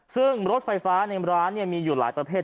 ซึ่งรถไฟฟ้าในร้านมีอยู่หลายประเภท